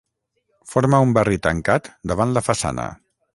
Forma un barri tancat davant la façana.